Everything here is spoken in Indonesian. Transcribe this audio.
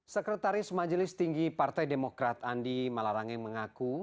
sekretaris majelis tinggi partai demokrat andi malarangeng mengaku